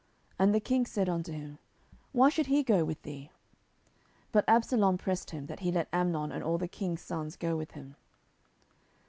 And the king said unto him, Why should he go with thee? 10:013:027 But Absalom pressed him, that he let Amnon and all the king's sons go with him.